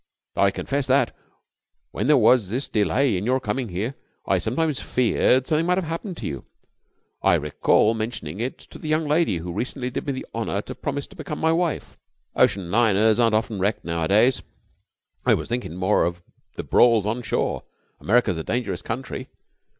"I confess that, when there was this delay in your coming here, I sometimes feared something might have happened to you. I recall mentioning it to the young lady who recently did me the honour to promise to become my wife." "Ocean liners aren't often wrecked nowadays." "I was thinking more of the brawls on shore. America's a dangerous country.